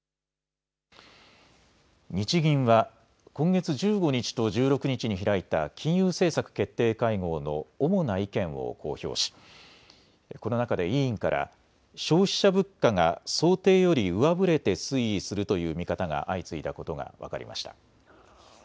日銀は今月１５日と１６日に開いた金融政策決定会合の主な意見を公表しこの中で委員から消費者物価が想定より上振れて推移するという見方が相次いだことが分かりました。